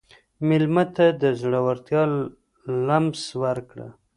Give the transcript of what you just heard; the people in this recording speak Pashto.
مېلمه ته د زړورتیا لمس ورکړه.